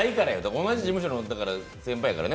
同じ事務所の先輩やからね。